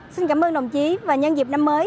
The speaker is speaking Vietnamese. xin cảm ơn đồng chí và nhân dịp năm mới